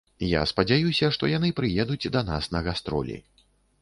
Я спадзяюся, што яны прыедуць да нас на гастролі.